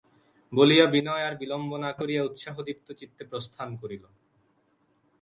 বলিয়া বিনয় আর বিলম্ব না করিয়া উৎসাহদীপ্ত চিত্তে প্রস্থান করিল।